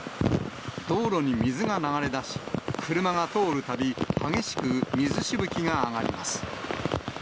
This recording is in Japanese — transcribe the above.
道路に水が流れ出し、車が通るたび、激しく水しぶきが上がります。